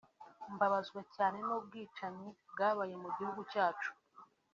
Mbabazwa cyane n’ubwicanyi bwabaye mu gihugu cyacu